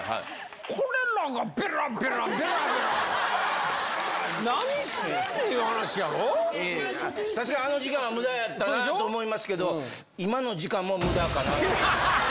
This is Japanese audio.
これらが、べらべらべらべら、何してんねんっていう話や確かにあの時間はむだやったなと思いますけど、今の時間もむだかなと。